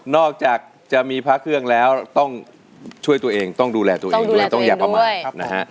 จากจะมีพระเครื่องแล้วต้องช่วยตัวเองต้องดูแลตัวเองด้วยต้องอย่าประมาทนะฮะ